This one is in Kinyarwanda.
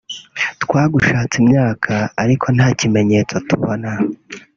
twagushatse imyaka ariko nta kimenyetso tubona